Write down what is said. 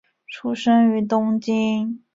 出生于东京。